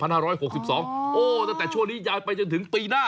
โอ้โหตั้งแต่ช่วงนี้ยาวไปจนถึงปีหน้า